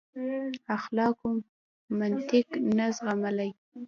اخلاقو منطق نه زغملای.